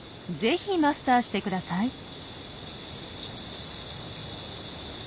ぜひマスターしてください。